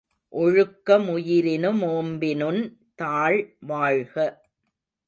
ஒழுக்க முயிரினு மோம்பினுன் தாள் வாழ்க!